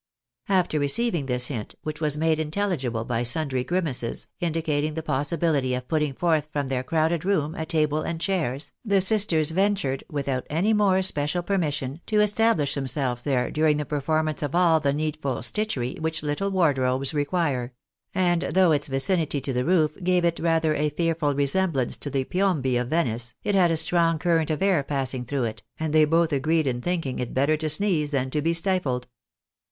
After receiving this hint, which was made intelligible by sundry grimaces, indicating the possibility of putting forth from their crowded room a table and chairs, the sisters ventured, without any more special permission, to establish themselves there during the performance of all the needful stitchery which little wardrobes re quire ; and though its vicinity to the roof gave it rather a fearful resemlDlance to the Piombi of Venice, it had a strong current of air passing through it, and they both agreed in thinking it better to sneeze than to be stifled.